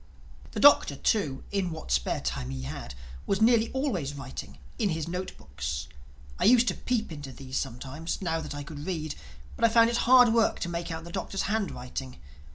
The Doctor too, in what spare time he had, was nearly always writing—in his note books. I used to peep into these sometimes, now that I could read, but I found it hard work to make out the Doctor's handwriting.